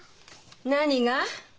何が？